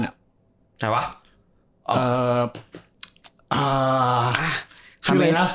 ใครวะ